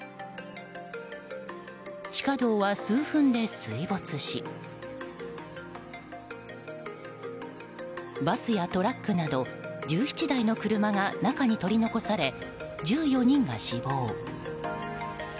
地下道は数分で水没しバスやトラックなど１７台の車が中に取り残され１４人が死亡。